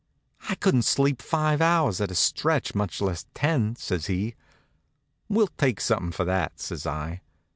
"I couldn't sleep five hours at a stretch, much less ten," says he. "We'll take something for that," says I.